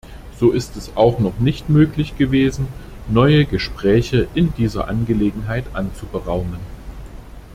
So ist es auch noch nicht möglich gewesen, neue Gespräche in dieser Angelegenheit anzuberaumen.